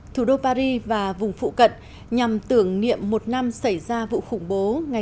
thủ đô paris và vùng phụ cận nhằm tưởng niệm một năm xảy ra vụ khủng bố ngày một mươi ba tháng một mươi một năm ngoái